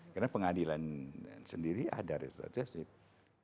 karena pengadilan sendiri ada resolusi justice